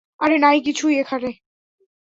আরে, নাই কিছুই এইখানে।